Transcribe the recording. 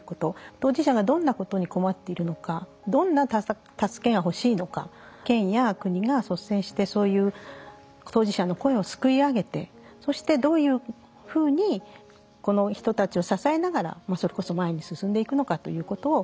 当事者がどんなことに困っているのかどんな助けがほしいのか県や国が率先してそういう当事者の声をすくい上げてそしてどういうふうにこの人たちを支えながらそれこそ前に進んでいくのかということを聞いていく。